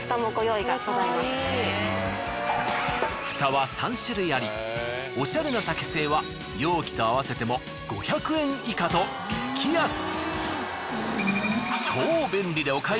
ふたは３種類ありおしゃれな竹製は容器と合わせても５００円以下と激安。